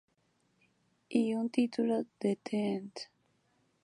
Y un título de The End?.